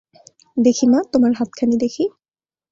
দেখি মা, তোমার হাতখানি দেখি।